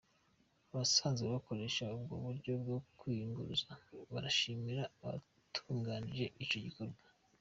Abasanzwe bakoresha ubwo buryo bwo kwiyunguruza barashimira abatunganije ico gikorwa.